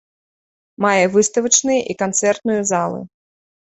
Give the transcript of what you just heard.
Мае выставачныя і канцэртную залы.